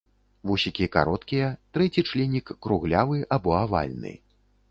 Вусікі кароткія, трэці членік круглявы або авальны.